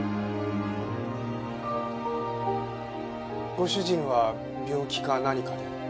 ご主人は病気か何かで？